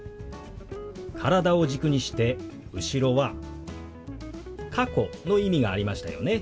体を軸にして後ろは「過去」の意味がありましたよね。